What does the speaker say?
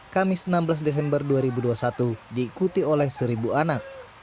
kamis enam belas desember dua ribu dua puluh satu diikuti oleh seribu anak